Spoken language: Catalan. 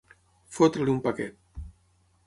Fotre-li un paquet.